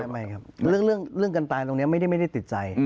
ไม่ครับเรื่องการตายตรงนี้ไม่ได้ติดใจ